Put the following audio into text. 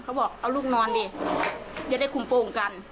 บอกเอาลูกนอนดิจะได้คุมโปรงกัน